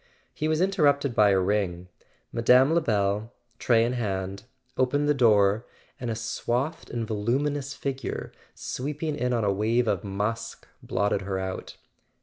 He was interrupted by a ring. Mme. Lebel, tray in hand, opened the door, and a swathed and voluminous figure, sweeping in on a wave of musk, blotted her out.